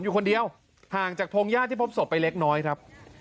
อยู่คนเดียวห่างจากพงญาติที่พบศพไปเล็กน้อยครับ